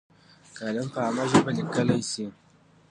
کالم په عامه ژبه لیکلی شي.